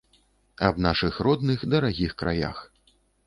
Аб нашых родных, дарагіх краях.